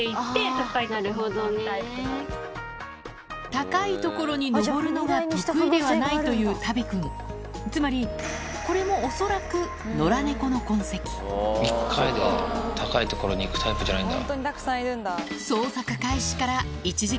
高い所に上るのが得意ではないというタビ君つまりこれも恐らく一回で高い所に行くタイプじゃないんだ。